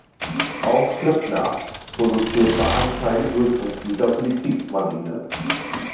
Auch Klöckner produzierte anteilig Rüstungsgüter für die Kriegsmarine.